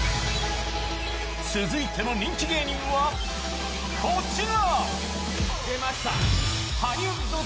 続いての人気芸人はこちら。